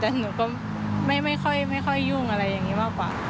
แต่หนูก็ไม่ค่อยยุ่งอะไรอย่างนี้มากกว่า